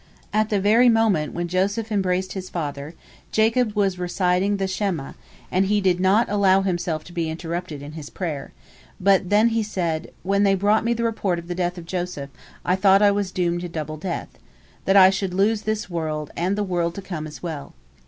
At the very moment when Joseph embraced his father, Jacob was reciting the Shema', and he did not allow himself to be interrupted in his prayer, but then he said, "When they brought me the report of the death of Joseph, I thought I was doomed to double death—that I should lose this world and the world to come as well.